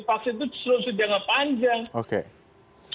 vaksin itu seluruh jangka panjang